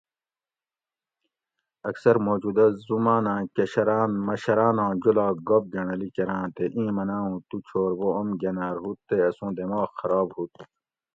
اکثر موجودہ زماناۤں کشراۤن مشراناں جولاگ گپ گۤنڑلی کۤراۤں تے اِیں مناۤں اُوں تُو چھور بو اوم گناۤر ہُوت تے اسوں دماغ خراب ہُوت